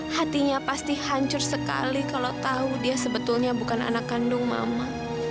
hatinya pasti hancur sekali kalau tahu dia sebetulnya bukan anak kandung mama